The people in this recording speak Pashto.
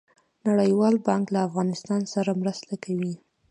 نړیوال بانک له افغانستان سره مرسته کوي